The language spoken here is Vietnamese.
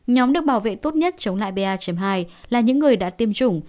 nhóm được bảo vệ tốt nhất chống lại ba hai là những người đã tiêm chủng